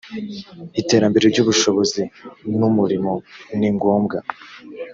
iterambere ry’ubushobozi n’umurimo ni ngombwa